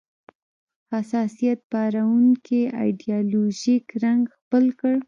حساسیت پاروونکی ایدیالوژیک رنګ خپل کړ